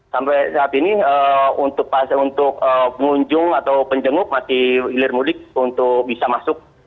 sampai saat ini untuk pengunjung atau penjenguk masih hilir mudik untuk bisa masuk